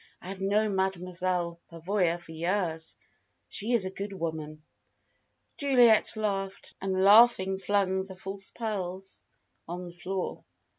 "I have known Mademoiselle Pavoya for years. She is a good woman." Juliet laughed, and laughing flung the false pearls on the floor.